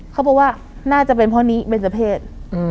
เขาบอกว่าน่าจะเป็นเพราะนี้เป็นเจ้าเพศ